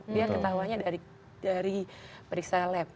dia ketawanya dari periksa lab